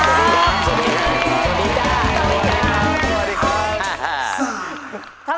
สวัสดีค่ะ